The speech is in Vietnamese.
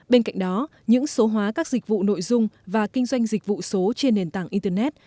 bên cạnh đó những số hóa các dịch vụ nội dung và kinh doanh dịch vụ số trên nền tảng internet